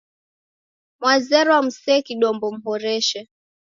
Mwazerwa musee kidombo muhoreshe.